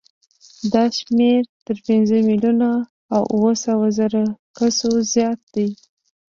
دا شمېر تر پنځه میلیونه او اوه سوه زرو کسو زیات دی.